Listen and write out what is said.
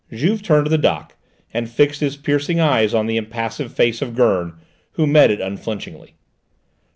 Juve turned to the dock and fixed his piercing eyes on the impassive face of Gurn, who met it unflinchingly.